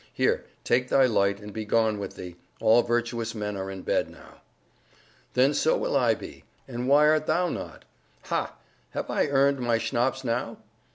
Here, take thy light, and be gone with thee. All virtuous men are in bed now." "Then so will I be; and why art thou not? Ha! have I earned my schnapps now?"